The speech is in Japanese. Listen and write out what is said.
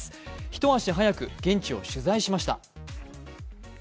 一足早く現地を取材しました。